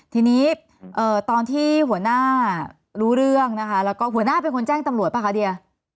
ทีนี้ตอนที่หัวหน้ารู้เรื่องนะคะแล้วก็หัวหน้าเป็นคนแจ้งตำรวจป่ะคะเดีย